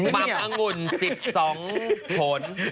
ปำอังุ่น๑๒ผล